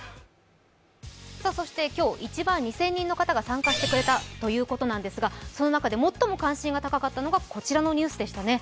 そして今日、１万２０００人の方が参加してくれたということなんですがその中で最も関心が高かったのが、こちらのニュースでしたね。